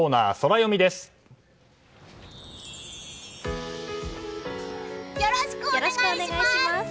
よろしくお願いします！